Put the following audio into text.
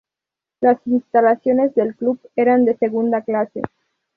Las instalaciones del club eran de segunda clase.